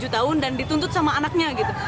tujuh tahun dan dituntut sama anaknya gitu